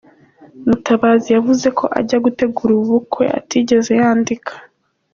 Mutabazi yavuze ko ajya gutegura ubu bukwe, atigeze yandika